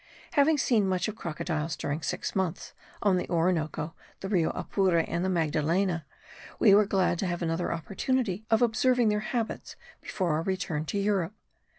Having seen much of crocodiles during six months, on the Orinoco, the Rio Apure and the Magdalena, we were glad to have another opportunity of observing their habits before our return to Europe.